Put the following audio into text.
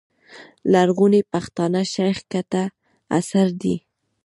لرغوني پښتانه، شېخ کټه اثر دﺉ.